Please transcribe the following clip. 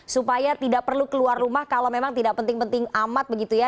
supaya tidak perlu keluar rumah kalau memang tidak penting penting amat begitu ya